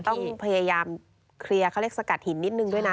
ต้องพยายามเคลียร์เขาเรียกสกัดหินนิดนึงด้วยนะ